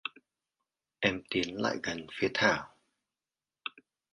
em tiến lại gần phía thảo